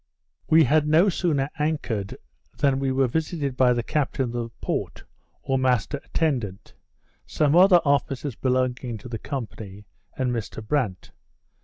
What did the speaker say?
We had no sooner anchored than we were visited by the captain of the port, or master attendant, some other officers belonging to the company, and Mr Brandt.